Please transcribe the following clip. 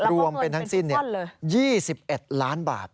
รวมเป็นทั้งสิ้น๒๑ล้านบาท